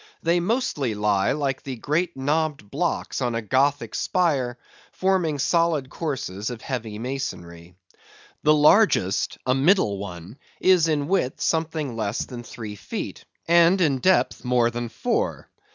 They mostly lie like the great knobbed blocks on a Gothic spire, forming solid courses of heavy masonry. The largest, a middle one, is in width something less than three feet, and in depth more than four.